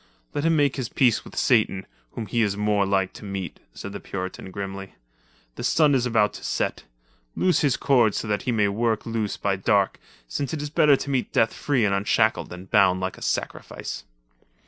"Let him make his peace with Satan, whom he is more like to meet," said the Puritan grimly. "The sun is about to set. Loose his cords so that he may work loose by dark, since it is better to meet death free and unshackled than bound like a sacrifice."